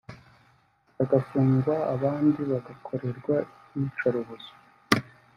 bagafungwa abandi bagakorerwa iyicarubozo